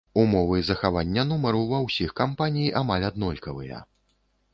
Умовы захавання нумару ва ўсіх кампаній амаль аднолькавыя.